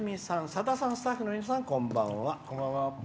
「さださん、スタッフの皆さんこんばんは。